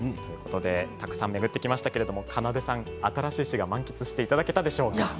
たくさん巡ってきましたけど新しい滋賀、満喫していただけましたでしょうか。